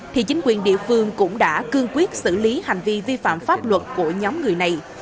thì chính quyền địa phương cũng đã cương quyết xử lý hành vi vi phạm pháp luật của nhóm người này